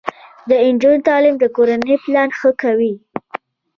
د نجونو تعلیم د کورنۍ پلان ښه کوي.